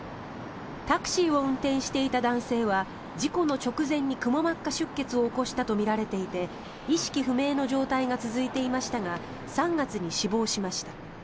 タクシーを運転していた男性は事故の直前にくも膜下出血を起こしたとみられていて意識不明の状態が続いていましたが３月に死亡しました。